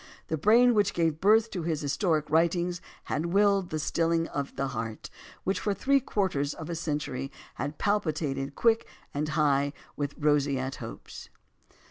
The brain which gave birth to his historic writings had willed the stilling of the heart which for three quarters of a century had palpitated quick and high with roseate hopes.